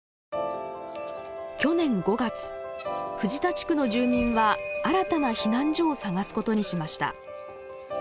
去年５月藤田地区の住民は新たな避難所を探すことにしました。